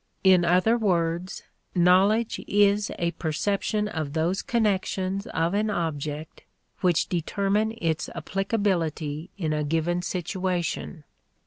In other words, knowledge is a perception of those connections of an object which determine its applicability in a given situation.